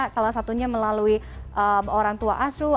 salah satunya melalui orang tua asuh